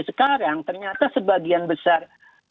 sekarang ternyata sebagian besar